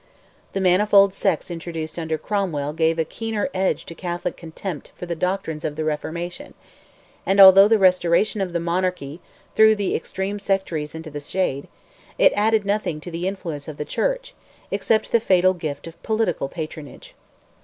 The manifold sects introduced under Cromwell gave a keener edge to Catholic contempt for the doctrines of the reformation; and although the restoration of the monarchy threw the extreme sectaries into the shade, it added nothing to the influence of the church, except the fatal gift of political patronage.